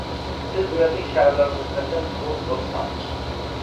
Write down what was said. سىز دېمەتلىك شائىرلارغا نىسبەتەن بۇ زور سان.